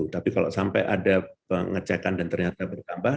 tapi kalau sampai ada pengecekan dan ternyata bertambah